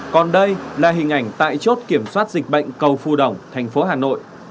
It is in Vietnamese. còn đây là hình ảnh tại chốt kiểm soát dịch bệnh cầu phù đồng thành phố hà nội